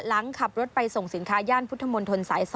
หลังขับรถไปส่งสินค้าย่านพุทธมนตรสาย๒